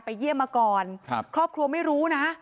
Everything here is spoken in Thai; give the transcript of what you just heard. เยี่ยมมาก่อนครับครอบครัวไม่รู้นะ